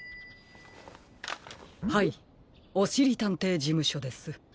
☎はいおしりたんていじむしょです。